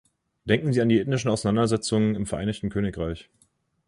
Denken Sie an die ethnischen Auseinandersetzungen im Vereinigten Königreich.